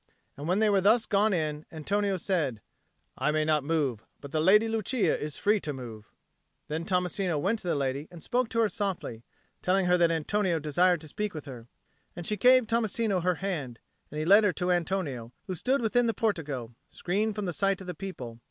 And when they were thus gone in, Antonio said, "I may not move, but the Lady Lucia is free to move." Then Tommasino went to the lady and spoke to her softly, telling her that Antonio desired to speak with her; and she gave Tommasino her hand, and he led her to Antonio, who stood within the portico, screened from the sight of the people.